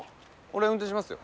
俺運転しますよ。